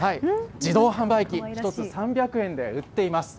自動販売機、１つ３００円で売っています。